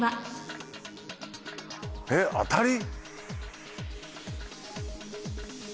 えっ当たり？